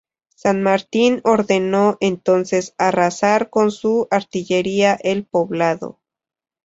San Martín ordenó entonces arrasar con su artillería el poblado.